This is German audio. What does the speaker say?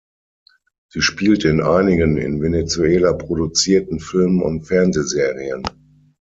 Sie spielte in einigen in Venezuela produzierten Filmen und Fernsehserien.